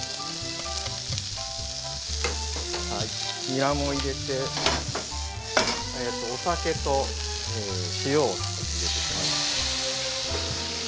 にらも入れてお酒と塩を入れていきます。